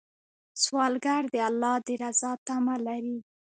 سوالګر د الله د رضا تمه لري